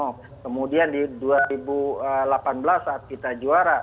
kemudian di dua ribu delapan belas saat kita juara